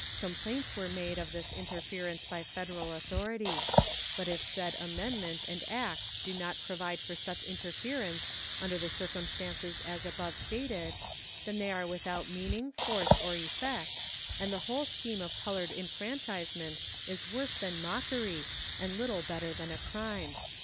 Complaints are made of this interference by Federal authority; but if said amendment and act do not provide for such interference under the circumstances as above stated, then they are without meaning, force, or effect, and the whole scheme of colored enfranchisement is worse than mockery and little better than a crime.